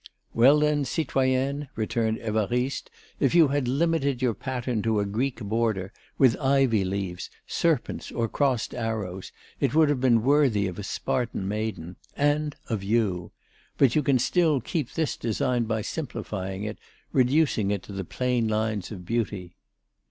"Well, then, citoyenne," returned Évariste, "if you had limited your pattern to a Greek border, with ivy leaves, serpents or crossed arrows, it would have been worthy of a Spartan maiden ... and of you. But you can still keep this design by simplifying it, reducing it to the plain lines of beauty."